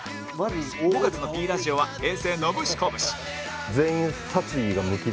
５月の Ｐ ラジオは平成ノブシコブシ